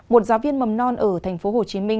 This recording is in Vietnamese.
một giáo viên mầm non ở tp hcm